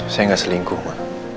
saya gak selingkuh ma